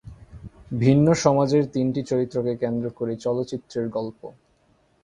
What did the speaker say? ভিন্ন সমাজের তিনটি চরিত্রকে কেন্দ্র করে চলচ্চিত্রের গল্প।